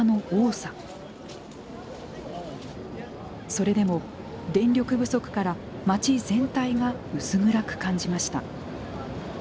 それでも電力不足から街全体が薄暗く感じました。